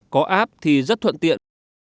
có app thì rất thuận tiện